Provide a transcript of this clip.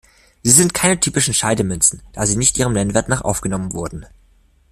Sie sind keine typischen Scheidemünzen, da sie nicht ihrem Nennwert nach angenommen wurden.